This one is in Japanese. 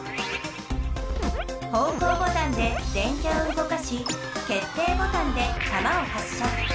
方向ボタンで電キャをうごかし決定ボタンでたまをはっしゃ。